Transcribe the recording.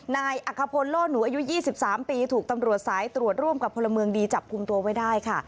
นายอักขพลโล่หนูอายุ๒๓ปีถูกตำรวจสายตรวจร่วมกับพลเมืองดีจับกลุ่มตัวไว้ได้ค่ะ